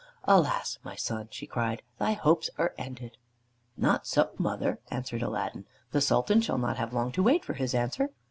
"Alas, my son!" she cried, "thy hopes are ended." "Not so, mother," answered Aladdin. "The Sultan shall not have long to wait for his answer."